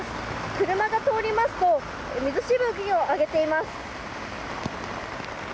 車が通りますと水しぶきを上げています。